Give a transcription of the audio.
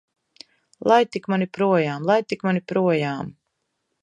Laid tik mani projām! Laid tik mani projām!